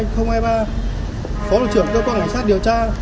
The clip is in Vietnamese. phó lực trưởng cơ quan cảnh sát điều tra